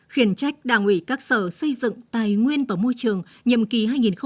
khiển trách đảng ủy các sở xây dựng tài nguyên và môi trường nhiệm kỳ hai nghìn một mươi năm hai nghìn hai mươi